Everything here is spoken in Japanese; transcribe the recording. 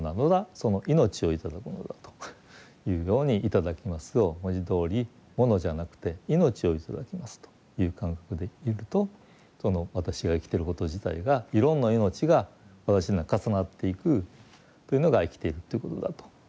その命を頂くのだというように「いただきます」を文字どおりものじゃなくて命を頂きますという感覚でいるとその私が生きてること自体がいろんな命が私の中重なっていくというのが生きているということだと。